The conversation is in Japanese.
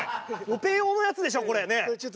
オペ用のやつでしょこれ。